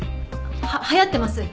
ははやってます。